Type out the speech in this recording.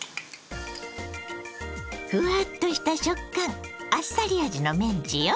ふわっとした食感あっさり味のメンチよ。